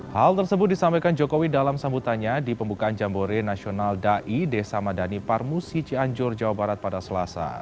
hal tersebut disampaikan jokowi dalam sambutannya di pembukaan jambore nasional dai desa madani parmusi cianjur jawa barat pada selasa